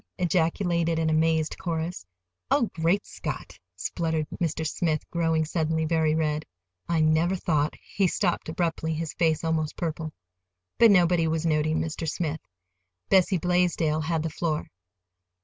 ejaculated an amazed chorus. "Oh, great Scott!" spluttered Mr. Smith, growing suddenly very red. "I never thought—" He stopped abruptly, his face almost purple. But nobody was noticing Mr. Smith. Bessie Blaisdell had the floor.